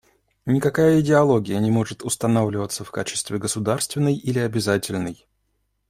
Никакая идеология не может устанавливаться в качестве государственной или обязательной.